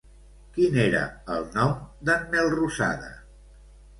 Quin era el nom d'en Melrosada?